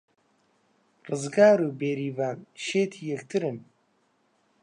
ڕزگار و بێریڤان شێتی یەکترن.